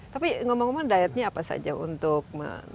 tapi ngomong ngomong dietnya apa saja untuk